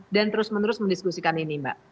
dan terus menerus mendiskusikan ini mbak